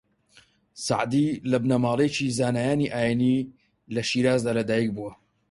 سەعدی لە بنەماڵەیەکی زانایانی ئایینی لە شیرازدا لە دایک بووە